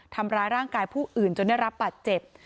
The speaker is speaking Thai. ทำร้ายร่างกายผู้อื่นจนได้รับบาดเจ็บ